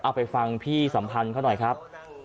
เอาไปฟังพี่สัมพันธ์เขาหน่อยครับ